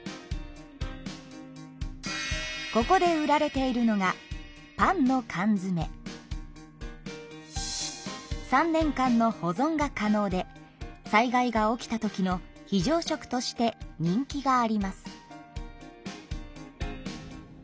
ここで売られているのが３年間の保存が可能で災害が起きたときの非常食として人気があります。